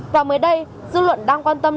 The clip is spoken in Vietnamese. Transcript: và mới đây dư luận đang quan tâm